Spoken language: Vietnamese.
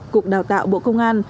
cục đào tạo bộ công an